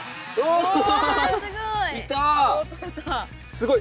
すごい。